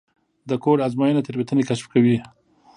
د کوډ ازموینه تېروتنې کشف کوي.